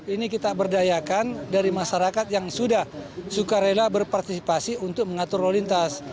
ini kita berdayakan dari masyarakat yang sudah suka rela berpartisipasi untuk mengatur lalu lintas